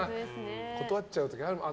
断っちゃう時あるもん。